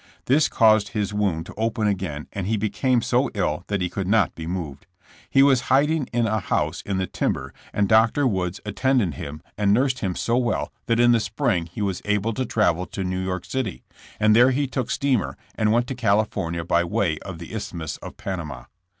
This caused his wound to open again and he became so ill that he could not be moved. He was hiding in a house in the timber and Dr. Woods attended him AFTER THK WAR. 67 and nursed him so well that in the spring he was able to travel to New York City, and there he took steamer and went to California by way of the Isth mus of Panama.